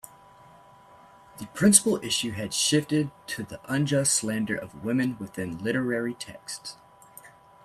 The principal issue had shifted to the unjust slander of women within literary texts.